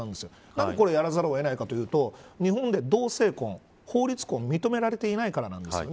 なぜ、これをやらざるを得ないかというと日本で同性婚、法律婚が認められていないからなんです。